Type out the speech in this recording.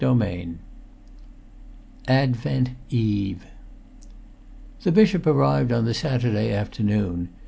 [Pg 378] XXXI ADVENT EVE The bishop arrived on the Saturday afternoon.